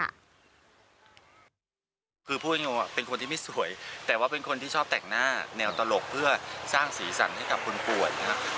คือพูดง่ายว่าเป็นคนที่ไม่สวยแต่ว่าเป็นคนที่ชอบแต่งหน้าแนวตลกเพื่อสร้างสีสันให้กับคนป่วยนะครับ